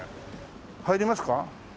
入りますか？